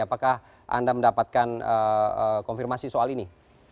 apakah anda mendapatkan konfirmasi soal ini